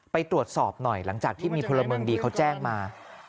ไปตรวจสอบหน่อยหลังจากที่มีพลเมืองดีเขาแจ้งมา